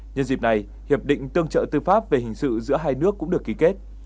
nhân dịp này hiệp định tương trợ tư pháp về hình sự giữa hai nước cũng được ký kết